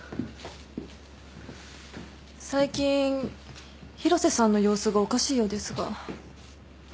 最近広瀬さんの様子がおかしいようですが。